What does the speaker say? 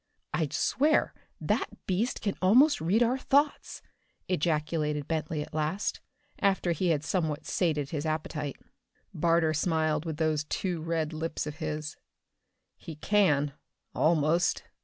"I'd swear that beast can almost read our thoughts!" ejaculated Bentley at last, after he had somewhat sated his appetite. Barter smiled with those too red lips of his. "He can almost.